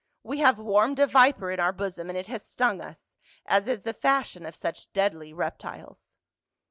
We have warmed a viper in our bosom and it has stung us, as is the fashion of such deadly reptiles."